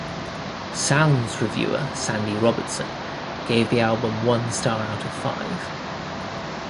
"Sounds" reviewer Sandy Robertson gave the album one star out of five.